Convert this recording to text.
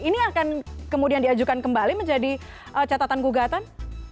ini akan kemudian diajukan kembali menjadi catatan gugatan